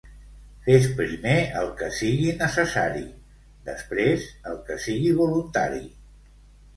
Fes primer el que sigui necessari; després el que sigui voluntari.